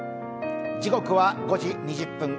時刻は５時２０分。